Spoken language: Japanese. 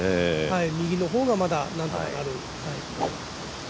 右の方がまだなんとかなる。